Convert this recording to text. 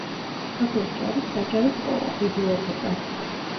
სოფელში არის საჯარო სკოლა, ბიბლიოთეკა.